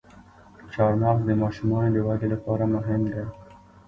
چارمغز د ماشومانو د ودې لپاره مهم دی.